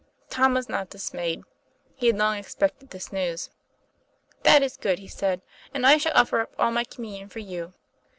" Tom was not dismayed; he had long expected this news. "That is good," he said; "and I shall offer up all my communion for you."